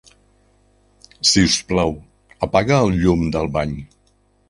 Sisplau, apaga el llum del bany.